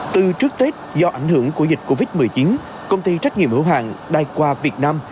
từ trước tết do ảnh hưởng của dịch covid một mươi chín công ty trách nhiệm hữu hạng đai qua việt nam